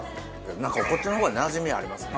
なんかこっちの方がなじみありますね。